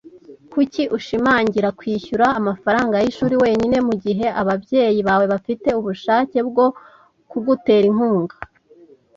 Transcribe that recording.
Kuki ushimangira kwishyura amafaranga y'ishuri wenyine, mugihe ababyeyi bawe bafite ubushake bwo kugutera inkunga?